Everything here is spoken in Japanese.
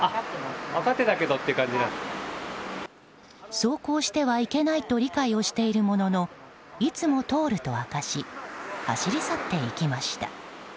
走行してはいけないと理解をしているもののいつも通ると明かし走り去っていきました。